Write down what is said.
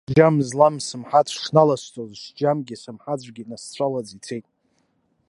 Сџьам злам сымҳаҵә шналасҵоз, сџьамгьы сымҳаҵәгьы насцәалаӡ ицеит.